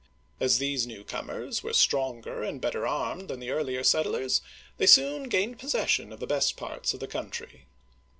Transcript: As these newcomers were stronger and better armed than the earlier settlers, thfcy soon gained possession of the best parts of the country.